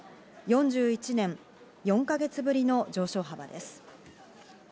４１年４か月ぶりの上昇幅です。